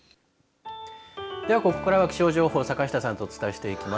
では、ここからは気象情報を坂下さんとお伝えしていきます。